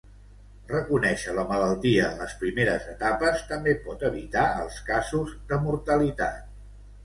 Reconèixer la malaltia en les primeres etapes també pot evitar els casos de mortalitat.